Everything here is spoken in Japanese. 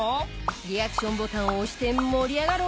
リアクションボタンを押して盛り上がろう！